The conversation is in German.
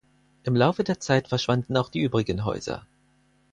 Im Laufe der Zeit verschwanden auch die übrigen Häuser.